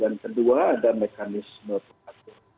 dan kedua ada mekanisme peraturan